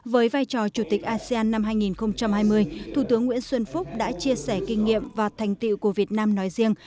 với vai trò chủ tịch asean năm hai nghìn hai mươi thủ tướng nguyễn xuân phúc đã chia sẻ kinh nghiệm và thành tiệu của việt nam nói riêng